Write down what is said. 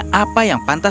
semua orang mulai men